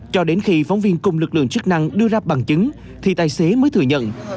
cho đến khi phóng viên cùng lực lượng chức năng đưa ra bằng chứng thì tài xế mới thừa nhận